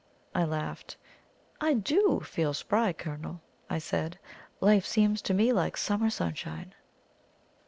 I laughed. "I DO feel spry, Colonel," I said. "Life seems to me like summer sunshine."